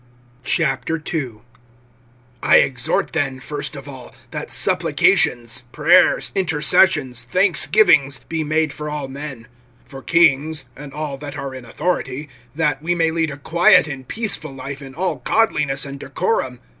II. I EXHORT then, first of all, that supplications, prayers, intercessions, thanksgivings, be made for all men; (2)for kings, and all that are in authority; that we may lead a quiet and peaceful life in all godliness and decorum.